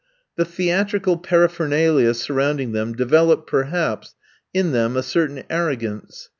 The theatrical paraphernalia surrounding them developed, perhaps, in them a certain arrogance.